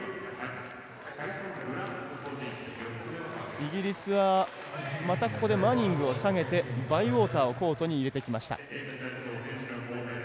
イギリスは、またここでマニングを下げてバイウォーターをコートに入れてきました。